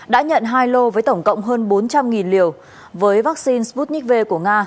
đã nhận hai lô với tổng cộng hơn bốn trăm linh liều với vaccine sputnik v của nga